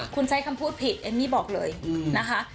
คุณใช้คำพูดผิดเอมมี่บอกเลยนะคะ